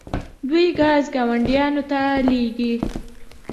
دوی ګاز ګاونډیو ته لیږي.